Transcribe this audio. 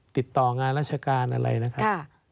ติดต่องานราชการอะไรนะครับ